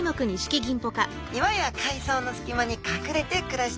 岩や海藻の隙間に隠れて暮らしています。